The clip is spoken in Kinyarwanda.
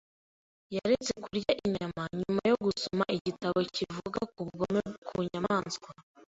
Yaretse kurya inyama nyuma yo gusoma igitabo kivuga ku bugome ku nyamaswa.